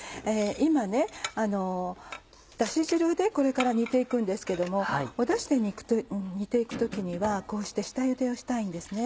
今ダシ汁でこれから煮て行くんですけどもダシで煮て行く時にはこうして下ゆでをしたいんですね。